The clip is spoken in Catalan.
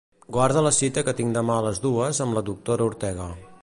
Guarda la cita que tinc demà a les dues amb la doctora Ortega.